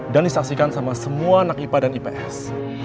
dan disaksikan sama semua anak ipa dan ips